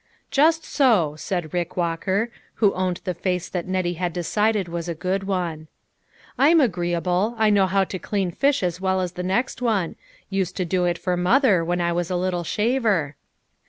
"Just so," said Rick Walker, who owned the face that Nettie had decided was a good one. " I'm agreeable ; I know how to clean fish as well as the next one ; used to do it for mother, when I was a little shaver."